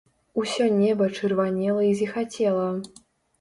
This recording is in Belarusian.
Усё неба чырванела і зіхацела.